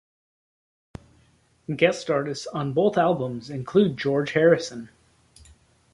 Guest artists on both albums included George Harrison.